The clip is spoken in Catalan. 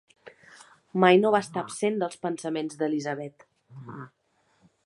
Mai no va estar absent dels pensaments d'Elisabeth.